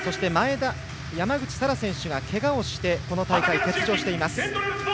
山口幸空選手がけがをしてこの大会、欠場しています。